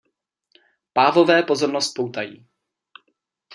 Pávové pozornost poutají.